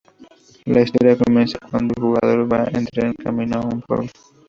La historia comienza cuando el jugador va en un tren, camino a un pueblo.